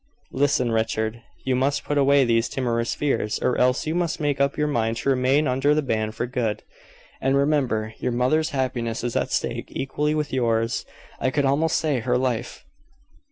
"Listen, Richard. You must put away these timorous fears, or else you must make up your mind to remain under the ban for good; and, remember, your mother's happiness is at stake equally with yours I could almost say her life.